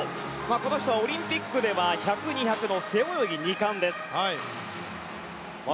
この人はオリンピックでは１００ｍ、２００ｍの背泳ぎ２冠です。